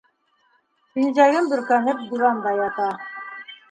Пинжәген бөркәнеп, диванда ята.